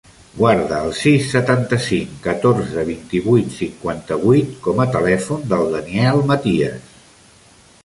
Guarda el sis, setanta-cinc, catorze, vint-i-vuit, cinquanta-vuit com a telèfon del Daniel Matias.